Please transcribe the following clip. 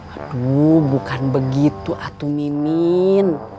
aduh bukan begitu atu mimin